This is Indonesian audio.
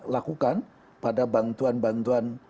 lakukan pada bantuan bantuan